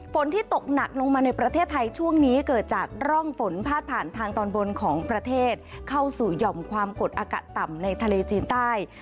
ฝนที่ตกหนักลงมาในประเทศไทยช่วงนี้เกิดจากร่องฝนพาดผ่านทางตอนบนของประเทศเข้าสู่หย่อมความกดอากาศต่ำในทะเลจีนใต้